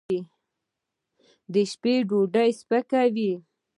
د شپې ډوډۍ سپکه وي.